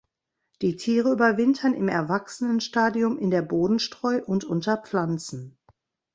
Die Tiere überwintern im Erwachsenenstadium in der Bodenstreu und unter Pflanzen.